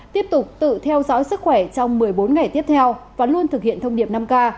tiếp tục tự theo dõi sức khỏe trong một mươi bốn ngày tiếp theo và luôn thực hiện thông điệp năm k